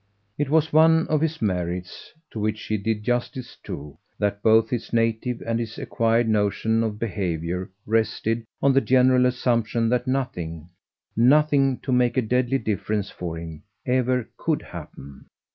It was one of his merits, to which she did justice too, that both his native and his acquired notion of behaviour rested on the general assumption that nothing nothing to make a deadly difference for him ever COULD happen.